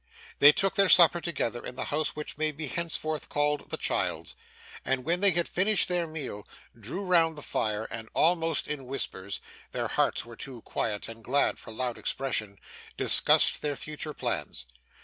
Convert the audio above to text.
They took their supper together, in the house which may be henceforth called the child's; and, when they had finished their meal, drew round the fire, and almost in whispers their hearts were too quiet and glad for loud expression discussed their future plans.